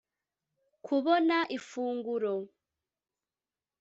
kubona ifunguro